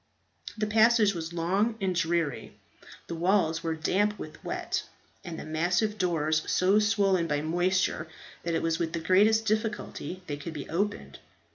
The passage was long and dreary, the walls were damp with wet, and the massive doors so swollen by moisture that it was with the greatest difficulty they could be opened.